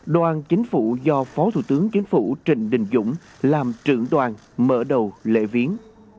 đoàn chính phủ do phó thủ tướng chính phủ trịnh đình dũng làm trưởng đoàn mở đầu lễ viếng